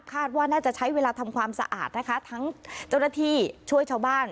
คาดว่าน่าจะใช้เวลาทำความสะอาดนะคะทั้งเจ้าหน้าที่ช่วยชาวบ้าน